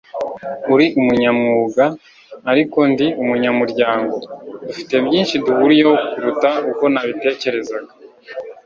Uri umunyamwuga, ariko ndi umunyamurwango. Dufite byinshi duhuriyeho kuruta uko nabitekerezaga.